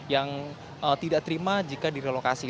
yang tidak terima jika direlokasi